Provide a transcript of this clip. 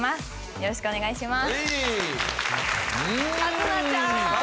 よろしくお願いします